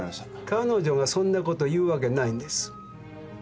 彼女がそんなこと言うわけないんです。